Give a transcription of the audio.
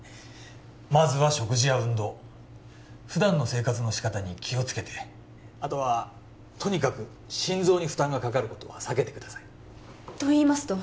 まずは食事や運動普段の生活の仕方に気をつけてあとはとにかく心臓に負担がかかることは避けてくださいといいますと？